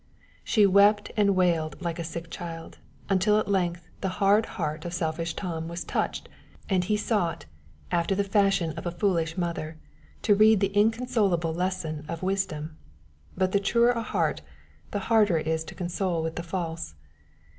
She wept and wailed like a sick child, until at length the hard heart of selfish Tom was touched, and he sought, after the fashion of a foolish mother, to read the inconsolable a lesson of wisdom. But the truer a heart, the harder it is to console with the false.